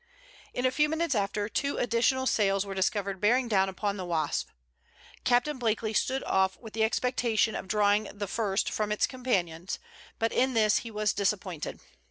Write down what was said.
In a few minutes after, two additional sails were discovered bearing down upon the Wasp. Captain Blakely stood off with the expectation of drawing the first from its companions; but in this he was disappointed.